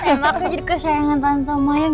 emang aku jadi kesayangan tante mayang